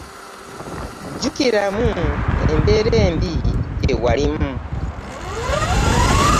Jukiramu embeera embi gye walimu.